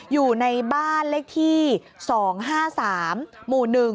อยู่ในบ้านเลขที่๒๕๓หมู่๑